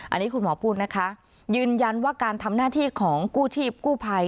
อันนี้คุณหมอพูดนะคะยืนยันว่าการทำหน้าที่ของกู้ชีพกู้ภัย